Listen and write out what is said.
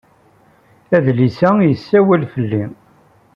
Adlis-a yessawal fell-i.